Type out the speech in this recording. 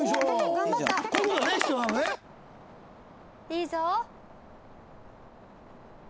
いいぞ！